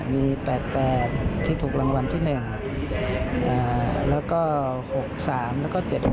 มี๘๘ที่ถูกรางวัลที่๑แล้วก็๖๓แล้วก็๗๖